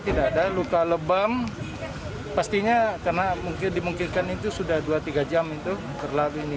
tidak ada luka lebam pastinya karena dimungkinkan itu sudah dua tiga jam itu terlalu ini